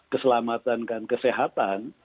keselamatan dan kesehatan